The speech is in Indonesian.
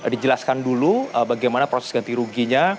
dijelaskan dulu bagaimana proses ganti ruginya